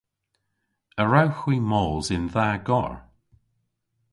A wrewgh hwi mos yn dha garr?